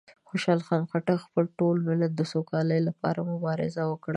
خوشحال خان خټک د خپل ټول ملت د سوکالۍ لپاره مبارزه وکړه.